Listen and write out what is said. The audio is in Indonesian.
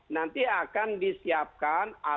nanti akan disiapkan alat yang digital